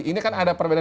ini kan ada perbedaan